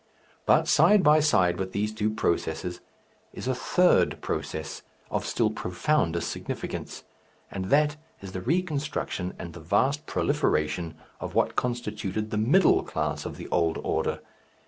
But side by side with these two processes is a third process of still profounder significance, and that is the reconstruction and the vast proliferation of what constituted the middle class of the old order.